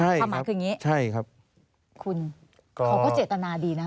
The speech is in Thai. ความหมายคืออย่างนี้ใช่ครับคุณเขาก็เจตนาดีนะ